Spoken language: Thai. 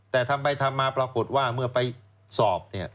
แต่ทำไปทำมาปรากฏว่าเมื่อไปสอบ